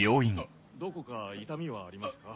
どこか痛みはありますか？